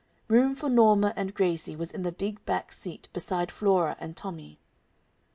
Room for Norma and Gracie was in the big back seat beside Flora and Tommy.